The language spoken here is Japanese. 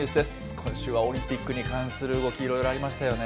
今週はオリンピックに関する動き、いろいろありましたよね。